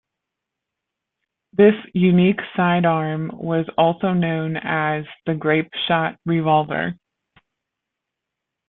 This unique sidearm was also known as the Grape Shot Revolver.